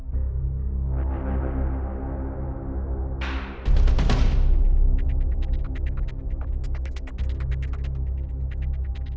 terimalah persembahan kami pangeran sejati